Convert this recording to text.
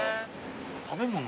食べ物？